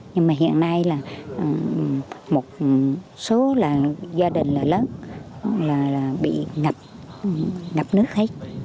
nhưng hiện nay một số gia đình lớn bị ngập nước hết